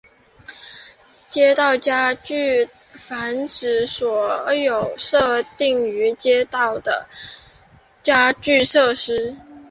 街道家具泛指所有设立于街道的家具设施。